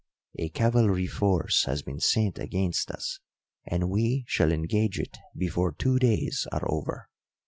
A cavalry force has been sent against us and we shall engage it before two days are over.